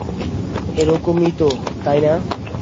এরকমই তো, তাই না?